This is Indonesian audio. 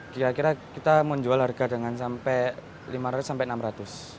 kira kira kita menjual harga dengan sampai rp lima ratus sampai rp enam ratus